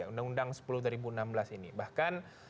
undang undang sepuluh dua ribu enam belas ini bahkan